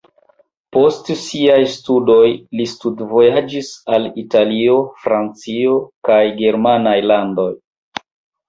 Post siaj studoj li studvojaĝis al Italio, Francio kaj germanaj landoj.